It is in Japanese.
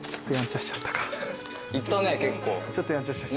いったね結構。